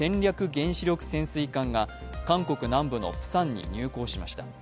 原子力潜水艦が韓国南部のプサンに入港しました。